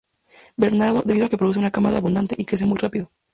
Bernardo, debido a que produce una camada abundante y crece muy rápido.